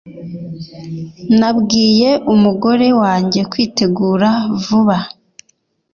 Nabwiye umugore wanjye kwitegura vuba.